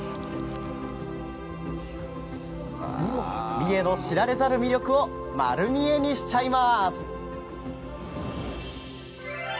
三重の知られざる魅力を丸見えにしちゃいます。